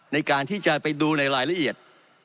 ในการที่จะไปดูในรายละเอียด